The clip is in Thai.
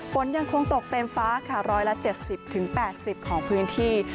ฝนยังคงตกเต็มฟ้าค่ะร้อยละเจ็ดสิบถึงแปดสิบของพื้นที่